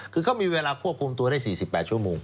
คือเขามีเวลาควบคุมตัวได้๔๘ชั่วโมง